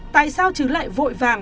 tại sao trứ lại vội vàng